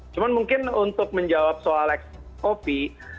cuma mungkin untuk menjawab soal eks kopi